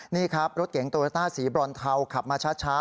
นี่ครับรถเก๋งโตโยต้าสีบรอนเทาขับมาช้า